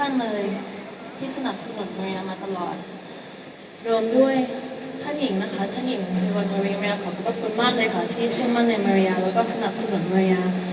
ท่านหญิงนะคะท่านหญิงสื่อวนมาริยาขอบคุณมากเลยค่ะที่ชื่นมั่นในมาริยาแล้วก็สนับสนุนมาริยา